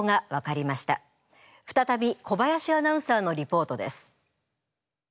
再び小林アナウンサーのリポートです。